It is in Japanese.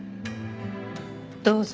どうぞ。